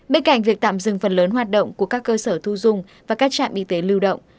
bên cạnh việc tạm dừng phần lớn hoạt động của các cơ sở thu dung và các trạm y tế lưu động